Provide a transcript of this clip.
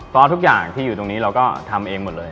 ก็ทุกอย่างที่อยู่ตรงนี้เราก็ทำเองหมดเลย